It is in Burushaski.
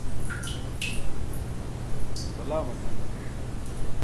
balaa matʰan maniṣ